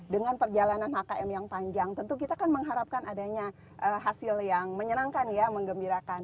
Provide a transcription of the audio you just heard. dengan perjalanan hkm yang panjang tentu kita kan mengharapkan adanya hasil yang menyenangkan ya mengembirakan